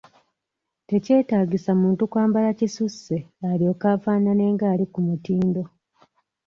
Tekyetaagisa muntu kwambala kisusse olwoke afaanane ng'ali ku mutindo.